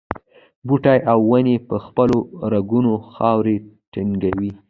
بوټي او ونې په خپلو رګونو خاوره ټینګوي.